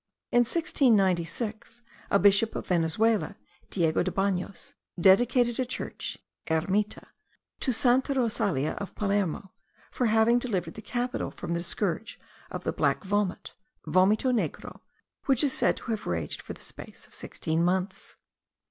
In 1696, a bishop of Venezuela, Diego de Banos, dedicated a church (ermita) to Santa Rosalia of Palermo, for having delivered the capital from the scourge of the black vomit (vomito negro), which is said to have raged for the space of sixteen months.